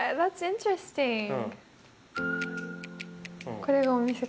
これがお店か。